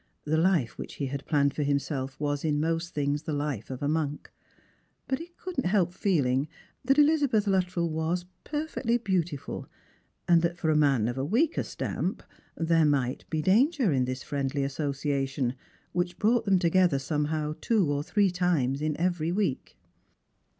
The life which he had planned for himself was in most things the ,ife of a m»nk ; but he could not help feehng that Elizabeth Luttrell was perfectly beautiful, and that for a man of a weaker stamp there might be danger in this friendly association, which brought them together somehow two or three times in every week.